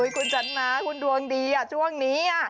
คุณจัดมาคุณดวงดีช่วงนี้